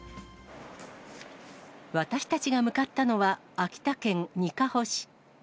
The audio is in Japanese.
私たちが向かったのは、秋田県にかほ市。